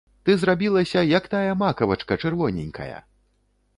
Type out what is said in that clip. Ты зрабілася, як тая макавачка чырвоненькая!